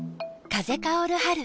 風薫る春。